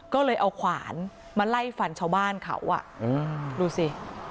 ก็เลยเอาขวานมาไล่ฟันชาวบ้านเขาอ่ะดูสิ